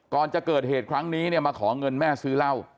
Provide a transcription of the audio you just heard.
ก่อนจะเกิดเหตุครั้งนี้เนี่ยมาขอเงินแม่ซื้อเหล้า